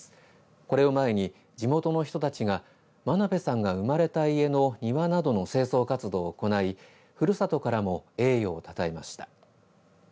これを前に、地元の人たちが真鍋さんが生まれた家の庭などの清掃活動を行い、ふるさとからも栄誉をたたえました。